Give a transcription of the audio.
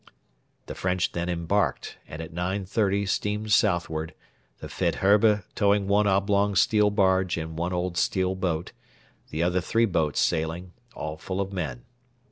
The French then embarked, and at 9.30 steamed southward, the Faidherbe towing one oblong steel barge and one old steel boat, the other three boats sailing, all full of men.